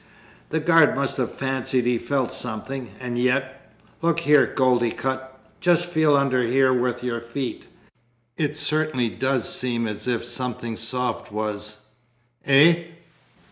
"The guard must have fancied he felt something; and yet Look here, Goldicutt; just feel under here with your feet. It certainly does seem as if something soft was eh?"